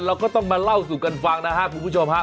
เราก็ต้องมาเล่าสู่กันฟังคุณผู้ชมครับ